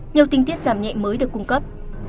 nhiều tinh tiết giảm nhẹ mới được cung cấp